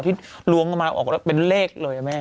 ที่ลวงมาออกแล้วเป็นเลขเลยอะแม่